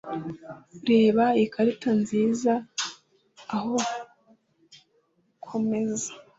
Reba ikarita nsiza aho ku ameza.